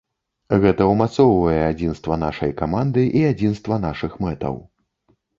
Гэта умацоўвае адзінства нашай каманды і адзінства нашых мэтаў.